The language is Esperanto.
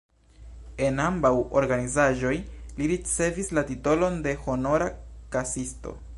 En ambaŭ organizaĵoj li ricevis la titolon de Honora Kasisto.